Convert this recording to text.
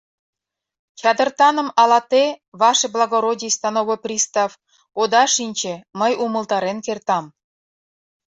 Чадыртаным ала те, ваше благородий становой пристав, ода шинче, мый умылтарен кертам.